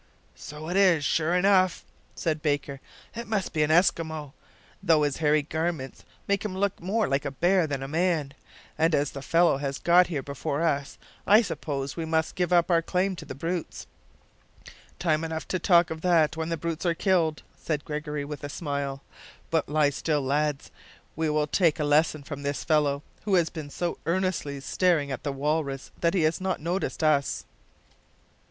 "So it is, sure enough," said Baker; "it must be an Eskimo, though his hairy garments make him look more like a bear than a man, and as the fellow has got here before us, I suppose we must give up our claim to the brutes." "Time enough to talk of that when the brutes are killed," said Gregory with a smile. "But lie still, lads. We will take a lesson from this fellow, who has been so earnestly staring at the walrus that he has not noticed us."